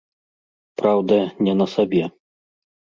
Праўда, не на сабе.